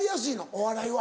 お笑いは。